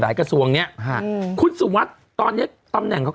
รายกระทรวงคุณสุวัสตร์ตอนนี้ตำแหน่ง